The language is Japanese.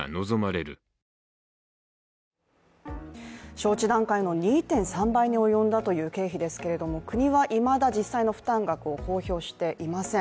招致段階の２．３倍に及んだという経費ですけれども国はいまだ実際の負担額を公表していません。